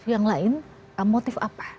yang lain motif apa